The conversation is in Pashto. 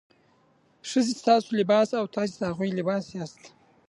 ښځې ستاسو لباس او تاسې د هغوی لباس یاست.